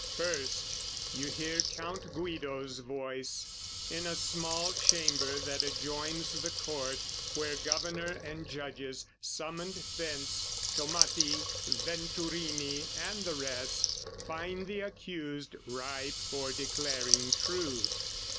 First you hear Count Guido's voice, In a small chamber that adjoins the court, Where Governor and Judges, summoned thence, Tommati, Venturini and the rest, Find the accused ripe for declaring truth.